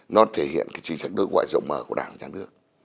nó thể hiện cái chính sách đối ngoại rộng mở của đảng nhà nước